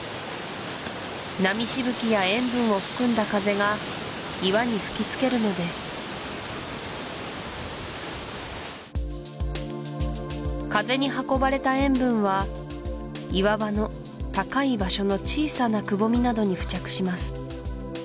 波しぶきや塩分を含んだ風が岩に吹きつけるのです風に運ばれた塩分は岩場の高い場所の小さなくぼみなどに付着します